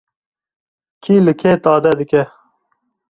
Kî li kê tade dike?